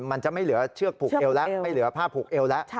มันจะไม่เหลือเชือกผูกเอวแล้วไม่เหลือผ้าผูกเอวแล้ว